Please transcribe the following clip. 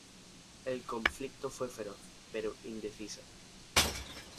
El conflicto fue feroz, pero indecisa.